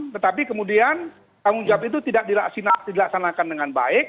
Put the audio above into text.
tetapi kemudian tanggung jawab itu tidak dilaksanakan dengan baik